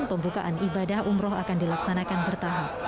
pembukaan ibadah umroh akan dilaksanakan bertahap